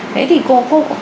thế thì cô